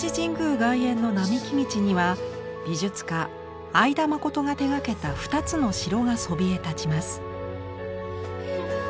外苑の並木道には美術家会田誠が手がけた２つの城がそびえ立ちます。